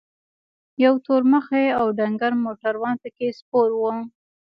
یو تور مخی او ډنګر موټروان پکې سپور و.